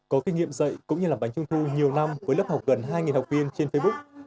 có kinh nghiệm dạy cũng như làm bánh trung thu nhiều năm với lớp học gần hai học viên trên facebook